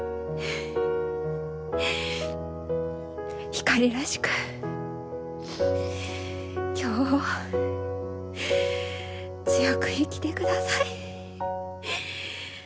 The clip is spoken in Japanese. ひかりらしく今日を強く生きてください。